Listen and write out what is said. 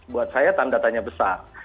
buat saya tandatanya besar